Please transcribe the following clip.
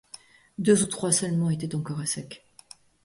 Deux ou trois seulement étaient encore à sec.